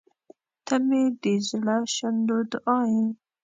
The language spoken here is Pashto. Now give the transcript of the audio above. • ته مې د زړه شونډو دعا یې.